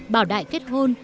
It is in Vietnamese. bảo đại kết hôn